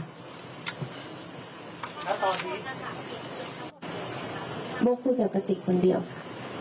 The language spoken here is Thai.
แล้วตอนนี้บอกคุยแก่กระติกคนเดียวค่ะ